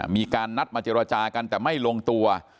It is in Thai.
มีการนัดมาเจรจากันแต่ไม่ลงตัว